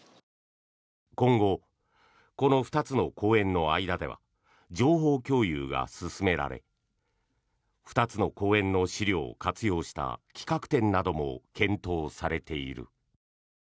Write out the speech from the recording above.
今後、この２つの公園の間では情報共有が進められ２つの公園の資料を活用した企画展なども検討されている。